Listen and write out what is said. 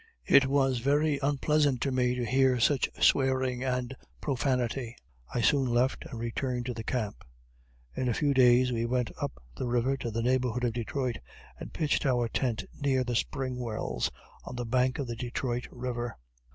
It was very unpleasant to me to hear such swearing and profanity I soon left, and returned to the camp. In a few days we went up the river to the neighborhood of Detroit, and pitched our tent near the spring wells on the bank of Detroit river.